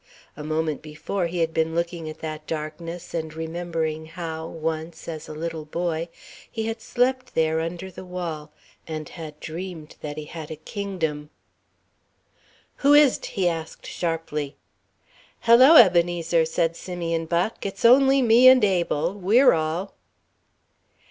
A moment before he had been looking at that darkness and remembering how, once, as a little boy, he had slept there under the wall and had dreamed that he had a kingdom. "Who is't?" he asked sharply. "Hello, Ebenezer," said Simeon Buck, "it's only me and Abel. We're all."